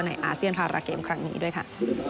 อาเซียนพาราเกมครั้งนี้ด้วยค่ะ